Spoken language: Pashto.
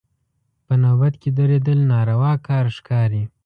په نوبت کې درېدل ناروا کار ښکاري.